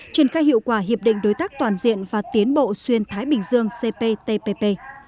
triển khai hiệu quả hiệp định đối tác toàn diện và tiến bộ xuyên thái bình dương cptpp